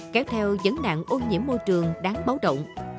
kéo theo dẫn nạn ô nhiễm môi trường đáng báo động